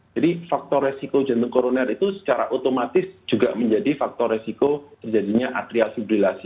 jadi faktor resiko jantung koroner itu secara otomatis juga menjadi faktor resiko terjadinya atrial fibrilasi